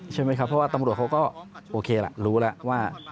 ใช่ไหมครับเพราะว่าตำรวจเขาก็โอเคล่ะรู้แล้วว่า